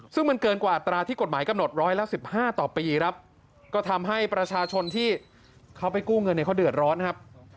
ซึ่งมันเกินกว่าอัตราที่กฎหมายกำหนดร้อยละ๑๕ต่อปีครับก็ทำให้ประชาชนที่เขาไปกู้เงินเนี่ยเขาเดือดร้อนครับ